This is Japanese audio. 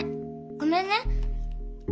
ごめんね。